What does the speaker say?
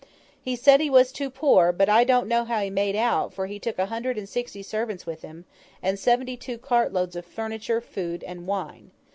He said he was too poor; but I don't know how he made that out, for he took a hundred and sixty servants with him, and seventy two cart loads of furniture, food, and wine.